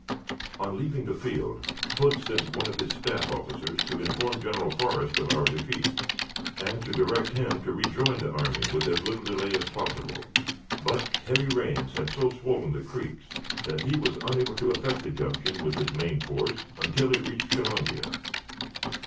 On leaving the field, Hood sent one of his staff officers to inform General Forrest of our defeat, and to direct him to rejoin the army with as little delay as possible, but heavy rains had so swollen the creeks that he was unable to effect the junction with his main force until it reached Columbia.